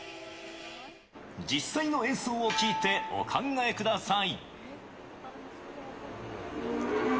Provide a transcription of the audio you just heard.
実際の演奏を聞いて、お考えください。